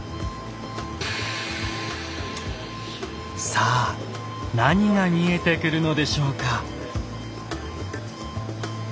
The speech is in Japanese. さあ何が見えてくるのでしょうか。